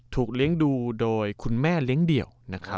เลี้ยงดูโดยคุณแม่เลี้ยงเดี่ยว